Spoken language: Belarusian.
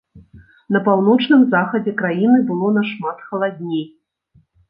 На паўночным захадзе краіны было нашмат халадней.